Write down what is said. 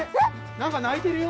何か鳴いてるよ。